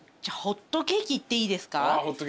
じゃあホットケーキいっていいですか？